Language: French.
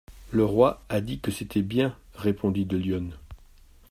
Le roi a dit que c'était bien, répondit de Lyonne.